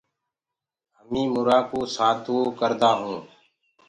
همينٚ مُرآ ڪو سآتوونٚ ڪردآ هونٚ۔